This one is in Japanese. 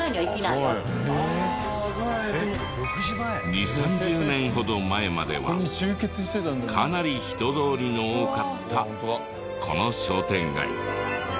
２０３０年ほど前まではかなり人通りの多かったこの商店街。